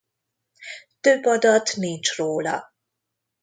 Több adat nincs róla.